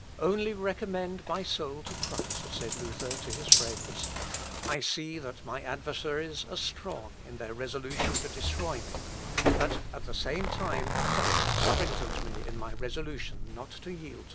"Only recommend my soul to Christ," said Luther to his friends. "I see that my adversaries are strong in their resolution to destroy me, but at the same time Christ strengthens me in my resolution not to yield to them."